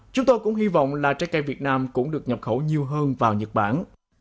chúng tôi cũng hy vọng là trái cây việt nam cũng được nhập khẩu nhiều hơn vào nhật bản